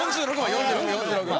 ４６４６！